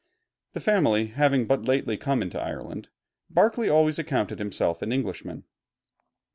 The family having but lately come into Ireland, Berkeley always accounted himself an Englishman.